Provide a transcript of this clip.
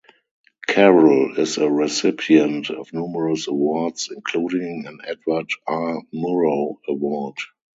Carroll is a recipient of numerous awards including an Edward R. Murrow Award.